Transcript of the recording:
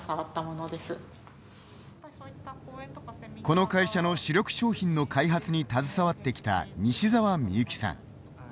この会社の主力商品の開発に携わってきた西澤美幸さん。